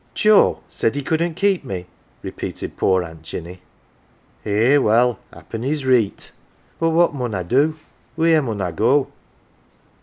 "Joe said he couldn't keep me?" repeated poor Aunt Jinny. " Eh, well happen he's reet. But what mun I do ? wheere mun I go